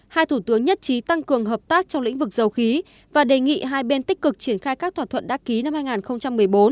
hai thủ tướng nhất trí tăng cường hợp tác trong lĩnh vực dầu khí và đề nghị hai bên tích cực triển khai các thỏa thuận đã ký năm hai nghìn một mươi bốn